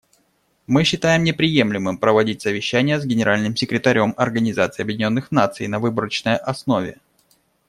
Мы считает неприемлемым проводить совещания с Генеральным секретарем Организации Объединенных Наций на выборочной основе.